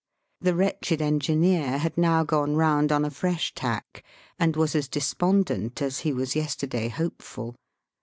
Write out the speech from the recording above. The wretched engineer had now gone round on a fresh tack, and was as despondent as he was yesterday hopeful.